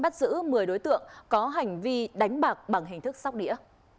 bắt giữ một mươi đối tượng có hành vi đánh bạc bằng hình thức sóc đĩa